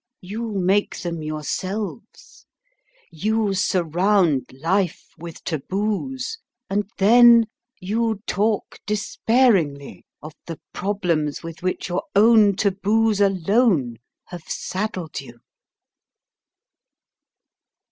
"You make them yourselves. You surround life with taboos, and then you talk despairingly of the problems with which your own taboos alone have saddled you."